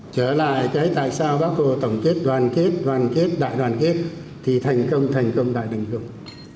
trở lại cái tại sao bác hồ tổng kết đoàn kết đoàn kết đại đoàn kết thì thành công thành công đại đình dũng